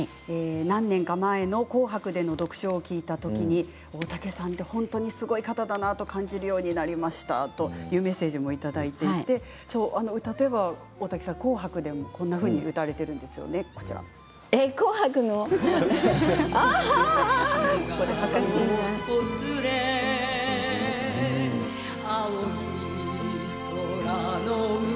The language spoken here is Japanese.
何年か前の「紅白」での独唱を聴いた時に大竹さんって本当にすごい方だなと感じるようになりましたというメッセージをいただいていて例えば、大竹さん「紅白」でもこんなふうに歌われているんですよね。どうでした？